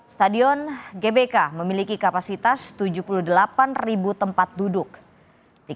jadi kita semua satu tim